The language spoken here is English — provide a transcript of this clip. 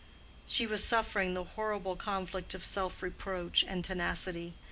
She was suffering the horrible conflict of self reproach and tenacity.